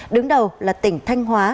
đứng đầu là tỉnh thanh hóa